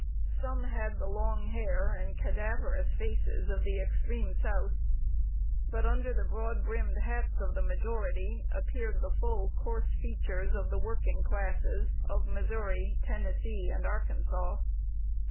Some had the long hair and cadaverous faces of the extreme South; but under the broad brimmed hats of the majority, appeared the full, coarse features of the working classes of Missouri, Tennessee, and Arkansas.